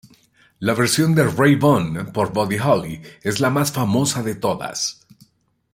La versión de "Rave On" por Buddy Holly, es la más famosa de todas.